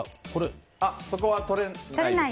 そこは取れないです。